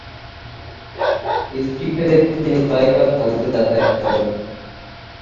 স্ত্রীকে দেখতে তিনি কয়েকবার ফ্রান্সে যাতায়াত করেন।